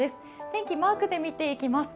天気、マークで見ていきます。